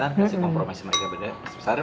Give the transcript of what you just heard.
kasih kompromis ke mereka lebih besar